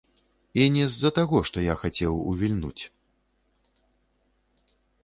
І не з-за таго, што я хацеў увільнуць.